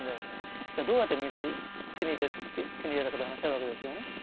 じゃあどうやって水手に入れたかっていう話があるわけですよね。